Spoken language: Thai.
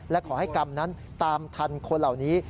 และขอให้กรรมนั้นตามทันคนเหล่านี้